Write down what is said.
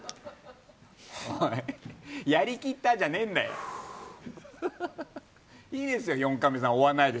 おい、やり切ったじゃねえんだよ。いいですよ、４カメさん追わなくて。